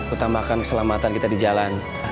utamakan keselamatan kita di jalan